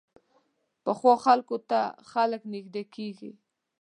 پخو خلکو ته خلک نږدې کېږي